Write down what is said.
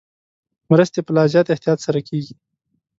مرستې په لا زیات احتیاط سره کېږي.